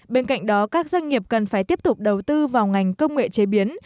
bên cạnh đó các doanh nghiệp cần phải tiếp tục đầu tư vào ngành công nghệ chế biến